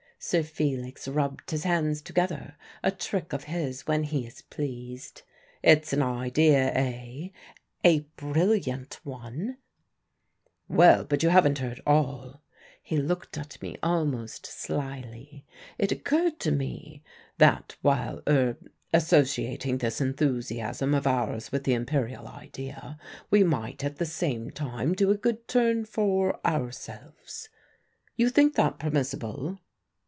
Sir Felix rubbed his hands together a trick of his when he is pleased. "It's an idea, eh?" "A brilliant one." "Well, but you haven't heard all." He looked at me almost slyly. "It occurred to me, that while er associating this enthusiasm of ours with the imperial idea, we might at the same time do a good turn for ourselves. You think that permissible?"